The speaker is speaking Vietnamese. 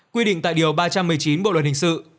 quy định tại điều ba trăm một mươi chín bộ luật hình sự